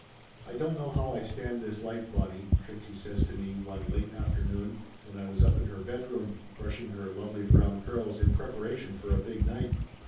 "I don't know how I stand this life, Bonnie!" Trixie says to me one late afternoon when I was up in her bedroom, brushing her lovely brown curls in prepara tion for a big night.